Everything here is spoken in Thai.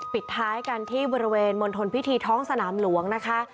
ปิดท้ายกันที่บริเวณมณฑลพิธีท้องสนามหลวงนะคะ